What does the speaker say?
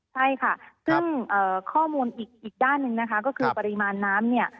ใช่ค่ะซึ่งข้อมูลอีกด้านหนึ่งนะคะก็คือปริมาณน้ำเนี่ย